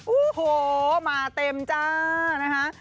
โอ้โฮมาเต็มจ้า